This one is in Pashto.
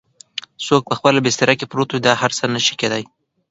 څوک په خپله بستره کې پروت وي دا هر څه نه شي کیدای؟